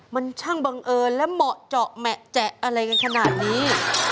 มันช่างบังเอิญและเหมาะเจาะแหมะแจอะไรกันขนาดนี้